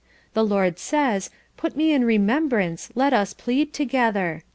The Lord says, 'Put me in remembrance, let us plead together.'